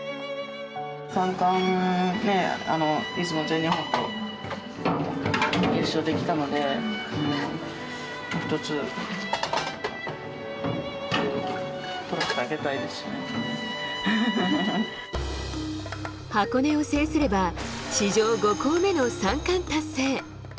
三冠ね、出雲と全日本と優勝できたので、あと一つ、箱根を制すれば、史上５校目の三冠達成。